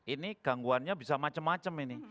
ini gangguannya bisa macam macam ini